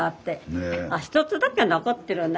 あ１つだけ残ってるな。